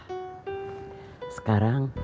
kita bisa berbual